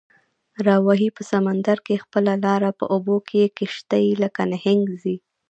راوهي په سمندر کې خپله لاره، په اوبو کې یې کشتۍ لکه نهنګ ځي